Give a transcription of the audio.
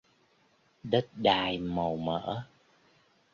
Đất đai màu mỡ